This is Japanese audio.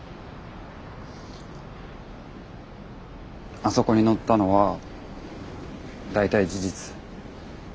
あそこに載ったのは大体事実。